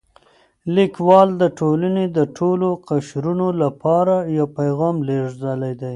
لیکوال د ټولنې د ټولو قشرونو لپاره یو پیغام لېږلی دی.